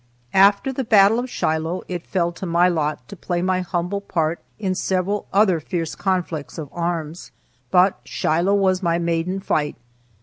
After the battle of Shiloh, it fell to my lot to play my humble part in several other fierce conflicts of arms, but Shiloh was my maiden fight.